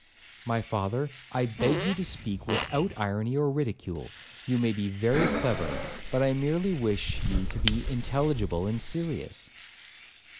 'My father, I beg you to speak without irony or ridicule; you may be very clever, but I merely wish you to be intelligible and serious.'